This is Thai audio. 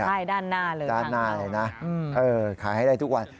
ได้ด้านหน้าเลยทางหน้าเออขายให้ได้ทุกวัน